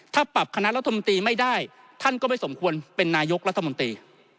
ถ้าปรับคณะรัฐมนตรีไม่ได้ท่านก็ไม่สมควรเป็นนายกรัฐมนตรี